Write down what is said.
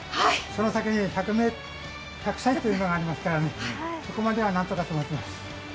その先に１００歳というのがありますからそこまではなんとかと思ってます。